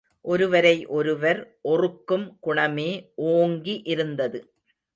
ஒருவரை ஒருவர் ஒறுக்கும் குணமே ஓங்கி இருந்தது.